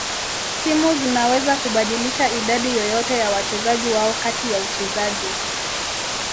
Timu zinaweza kubadilisha idadi yoyote ya wachezaji wao kati ya uchezaji.